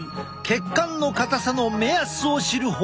血管の硬さの目安を知る方法だ。